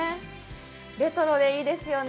レトロでいいですよね。